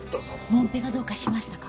もんぺがどうかしましたか？